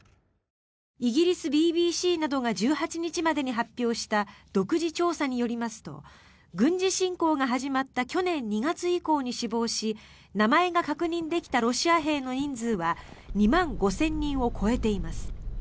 イギリスＢＢＣなどが１８日までに発表した独自調査によりますと軍事侵攻が始まった去年２月以降に死亡し名前が確認できたロシア兵の人数は２万５０００人を超えています。